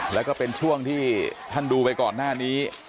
แล้วก็เป็นช่วงที่ท่านดูไปก่อนหน้านี้